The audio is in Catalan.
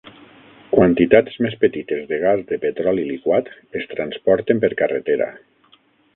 Quantitats més petites de gas de petroli liquat es transporten per carretera.